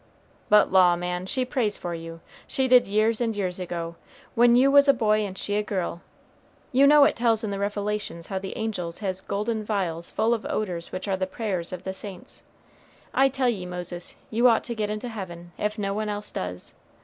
"But law, man, she prays for you; she did years and years ago, when you was a boy and she a girl. You know it tells in the Revelations how the angels has golden vials full of odors which are the prayers of saints. I tell ye Moses, you ought to get into heaven, if no one else does.